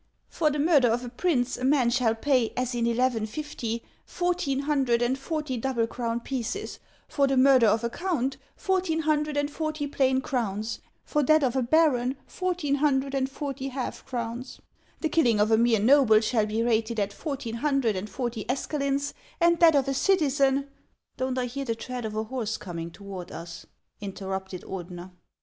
For the murder of a prince a man shall pay, as in 1150, fourteen hundred and forty double crown pieces ; for the murder of a count, fourteen hundred and forty plain crowns ; for that of a baron, fourteen hun dred and forty half crowns ; the killing of a mere noble shall be rated at fourteen hundred and forty escalius ; and that of a citizen —"" Don't I hear the tread of a horse coming toward us ?" interrupted Ordener.